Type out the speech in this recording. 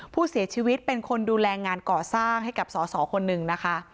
ผู้เสียชีวิตเป็นคนดูแลงานก่อสร้างให้กับสอสอคนหนึ่งนะคะ